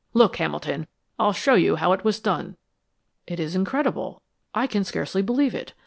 "Look, Hamilton; I'll show you how it was done." "It is incredible. I can scarcely believe it.